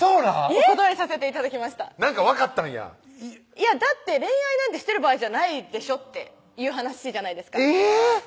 お断りさせて頂きましたなんかわかったんやだって恋愛なんてしてる場合じゃないでしょっていう話じゃないですかえぇ！